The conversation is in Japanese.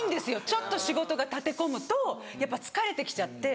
ちょっと仕事が立て込むとやっぱ疲れて来ちゃって。